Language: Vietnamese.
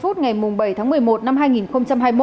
ba mươi phút ngày bảy tháng một mươi một năm hai nghìn hai mươi một